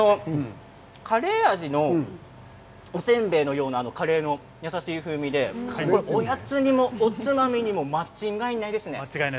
カレー味のおせんべいのようなカレーの優しい風味でおやつにもおつまみにも間違いないですね。